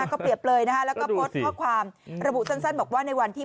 ก็เปรียบเลยนะฮะแล้วก็โพสต์ข้อความระบุสั้นบอกว่าในวันที่